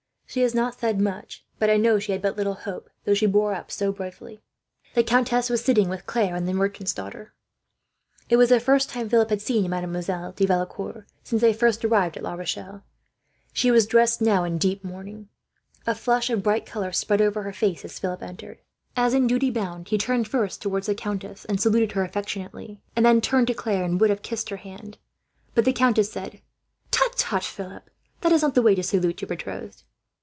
She has not said much, but I know she had but little hope, though she bore up so bravely." The countess was sitting, with Claire and the merchant's daughter. It was the first time Philip had seen Mademoiselle de Valecourt, since they first arrived at La Rochelle. She was dressed now in deep mourning. A flush of bright colour spread over her face, as Philip entered. As in duty bound, he turned first to the countess and saluted her affectionately; and then turned to Claire, and would have kissed her hand, but the countess said: "Tut, tut, Philip, that is not the way to salute your betrothed."